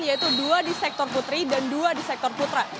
yaitu dua di sektor putri dan dua di sektor putra